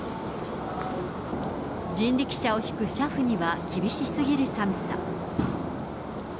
人力車を引く車夫には厳しすぎる寒さ。